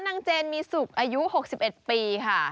เจนมีสุขอายุ๖๑ปีค่ะ